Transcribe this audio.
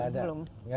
gak ada sih gak ada